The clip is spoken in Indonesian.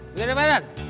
semua di hadapan